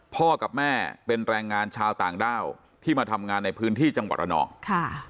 พ่อกับแม่เป็นแรงงานชาวต่างด้าวที่มาทำงานในพื้นที่จังหวัดระนองค่ะ